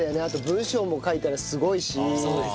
あと文章も書いたらすごいし。